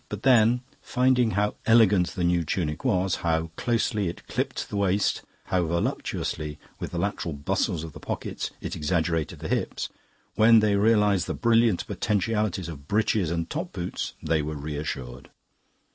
But then, finding how elegant the new tunic was, how closely it clipped the waist, how voluptuously, with the lateral bustles of the pockets, it exaggerated the hips; when they realized the brilliant potentialities of breeches and top boots, they were reassured.